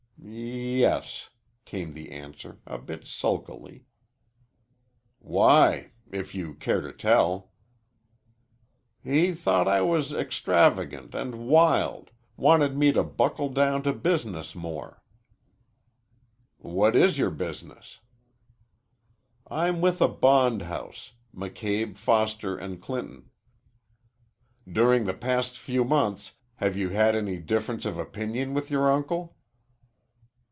"Yes," came the answer, a bit sulkily. "Why if you care to tell?" "He thought I was extravagant and wild wanted me to buckle down to business more." "What is your business?" "I'm with a bond house McCabe, Foster & Clinton." "During the past few months have you had any difference of opinion with your uncle?"